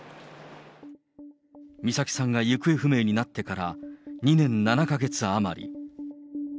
美咲さんが行方不明になってから、２年７か月余り。